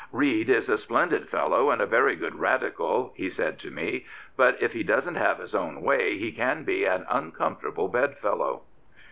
" Reid is a splendid fellow and a very good Radical," he said to me, " but if he doesn't have his own way he can be an uncomfortable bed fellow."